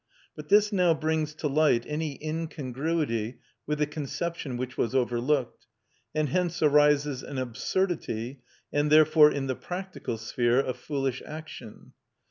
But this now brings to light any incongruity with the conception which was overlooked, and hence arises an absurdity, and therefore in the practical sphere a foolish action.